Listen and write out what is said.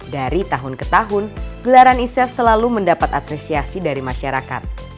dari tahun ke tahun gelaran e chef selalu mendapat apresiasi dari masyarakat